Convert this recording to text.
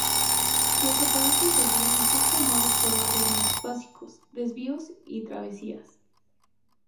Los aparatos de vía están formados por dos elementos básicos: desvíos y travesías.